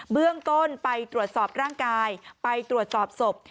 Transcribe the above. เบื้องต้นไปตรวจสอบร่างกายไปตรวจสอบศพ